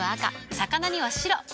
魚には白。